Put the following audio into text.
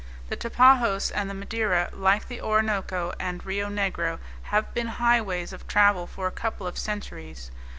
The Tapajos and the Madeira, like the Orinoco and Rio Negro, have been highways of travel for a couple of centuries.